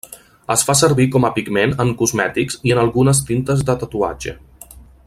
Es fa servir com a pigment en cosmètics i en algunes tintes de tatuatge.